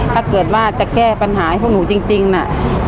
ถ้าเกิดว่าจะแก้ปัญหาให้พวกหนูจริงน่ะ